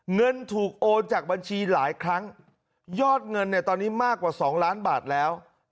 เงินถูกโอนจากบัญชีหลายครั้งยอดเงินตอนนี้มากกว่า๒ล้านบาทแล้ว